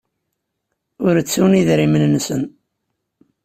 Ur ttun idrimen-nsen.